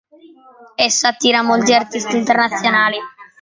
Essa attira molti artisti internazionali.